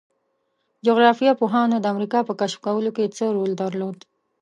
جغرافیه پوهانو د امریکا په کشف کولو کې څه رول درلود؟